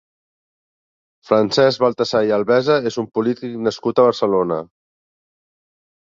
Francesc Baltasar i Albesa és un polític nascut a Barcelona.